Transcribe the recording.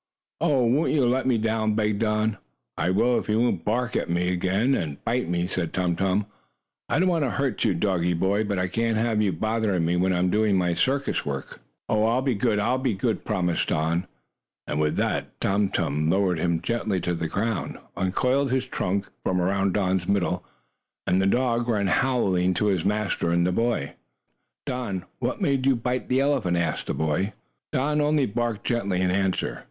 "Oh, won't you let me down?" begged Don. "I will, if you won't bark at me again, and bite me," said Tum Tum. "I don't want to hurt you, doggie boy, but I can't have you bothering me, when I'm doing my circus work." [Illustration: All this while Tum Tum was holding Don high in the air in his trunk. Page 60] "Oh, I'll be good! I'll be good!" promised Don, and with that Tum Tum lowered him gently to the ground, uncoiled his trunk from around Don's middle, and the dog ran howling to his master and the boy. "Don, what made you bite the elephant?" asked the boy. Don only barked gently in answer.